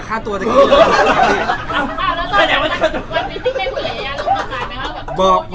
กีบนี้คนถึงแล้ว